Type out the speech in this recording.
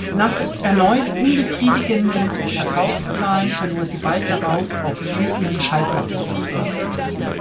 Nach erneut unbefriedigenden Verkaufszahlen verlor sie bald darauf auch hier ihren Schallplattenvertrag.